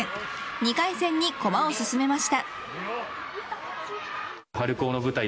２回戦へ駒を進めました。